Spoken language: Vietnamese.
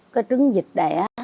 cái trứng vịt đẻ